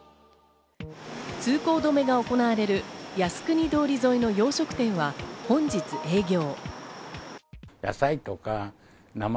通行止めが行われる靖国通り沿いの洋食店は本日営業。